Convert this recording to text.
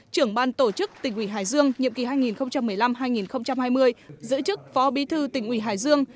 trưởng ban tổ chức tỉnh ủy hải dương nhiệm kỳ hai nghìn một mươi năm hai nghìn hai mươi giữ chức phó bí thư tỉnh ủy hải dương